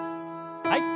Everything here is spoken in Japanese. はい。